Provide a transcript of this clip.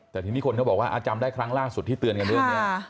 แต่ทีนี้คนเขาบอกว่าจำได้ครั้งล่าสุดที่เตือนกันเรื่องนี้